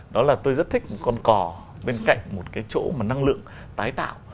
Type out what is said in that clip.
đó là tôi rất thích một con cò bên cạnh một cái chỗ mà năng lượng tái tạo